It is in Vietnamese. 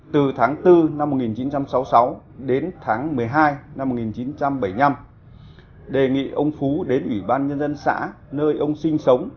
từ tháng bốn năm một nghìn chín trăm sáu mươi sáu đến tháng một mươi hai năm một nghìn chín trăm bảy mươi năm đề nghị ông phú đến ủy ban nhân dân xã nơi ông sinh sống